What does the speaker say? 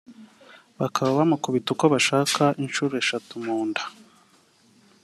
bakaba bamukubita uko bashaka inshuro eshatu mu nda